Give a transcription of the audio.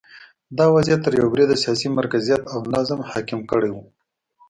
دا وضعیت تر یوه بریده سیاسي مرکزیت او نظم حاکم کړی و